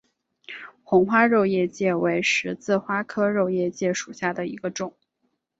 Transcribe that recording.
红花肉叶荠为十字花科肉叶荠属下的一个种。